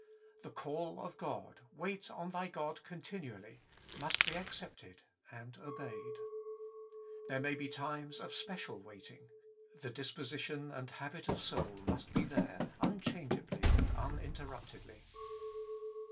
The call of God, 'Wait on Thy God continually,' must be accepied and obeyed. There may be WAITING ON GOD/ 141 times of special waiting: the disposition and habit of sonl mnst be there unchangeably and unintermptedly.